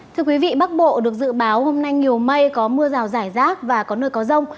thưa quý vị bắc bộ được dự báo hôm nay nhiều mây có mưa rào rải rác và có nơi có rông